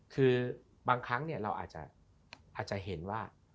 คือบางครั้งเราอาจจะเห็นว่า